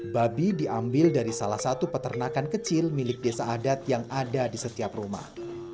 babi diambil dari salah satu peternakan kecil milik desa adat yang ada di setiap rumah